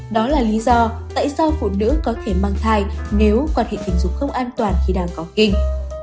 đó là lý do tại sao phụ nữ có thể mang thai nếu quan hệ tình dục không an toàn khi đang có kinh